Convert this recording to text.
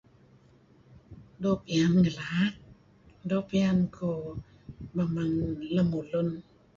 Doo' piyan ngelaak, doo' piyan kuh meman lemulun.